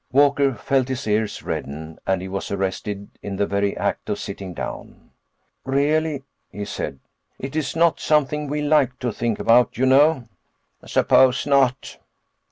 Walker felt his ears redden and he was arrested in the very act of sitting down. "Really," he said, "it's not something we like to think about, you know." "Suppose not."